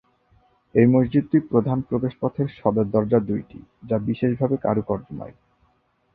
এই মসজিদটি প্রধান প্রবেশপথের সদর দরজা দুইটি, যা বিশেষভাবে কারুকার্জময়।